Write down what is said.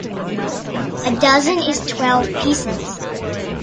A dozen is twelve pieces.